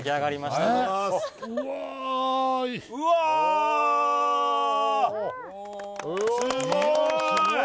すごい。